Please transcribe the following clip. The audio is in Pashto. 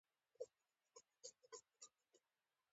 صنفي تړاو هم د حذفولو لامل کیږي.